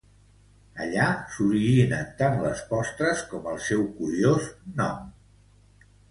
Allà s'originen tant les postres com el seu curiós nom.